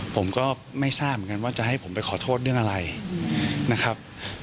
ผมก็ไม่ทราบเหมือนกันว่าจะให้ผมไปขอโทษเรื่องอะไรนะครับ